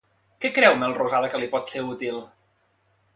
Què creu Melrosada que li pot ser útil?